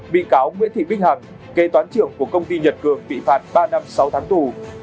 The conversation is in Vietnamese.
bị cáo nguyễn thị bích hằng kế toán trưởng của công ty nhật cường bị phạt ba năm sáu tháng tù